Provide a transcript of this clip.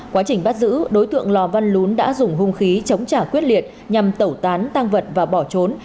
quá trình bắt giữ đối tượng lò văn lún đã dùng hung khí chống trả quyết liệt nhằm tẩu tán tăng vật và bỏ trốn